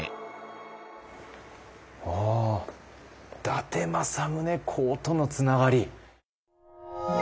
伊達政宗公とのつながり。